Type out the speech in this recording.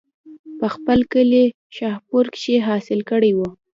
پۀ خپل کلي شاهپور کښې حاصل کړے وو